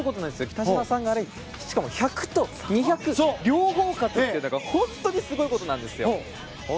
北島さんが１００と２００両方、勝つというのは本当にすごいことなんですよ。